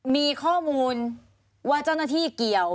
มีข้อมูลว่าเจ้าหน้าที่เกี่ยว